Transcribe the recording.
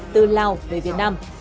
từ lào về việt nam